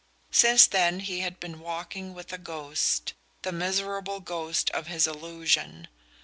Since then he had been walking with a ghost: the miserable ghost of his illusion.